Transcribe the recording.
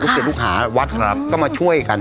รูปศิษย์ลูกหาวัดก็มาช่วยกัน